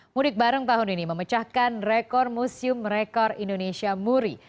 mudik bareng tahun ini memecahkan rekor museum rekor indonesia muri